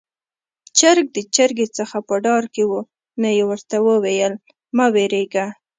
چرګ د چرګې څخه په ډار کې وو، نو يې ورته وويل: 'مه وېرېږه'.